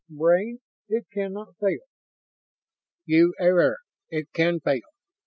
Brain, it cannot fail!" "You err. It can fail.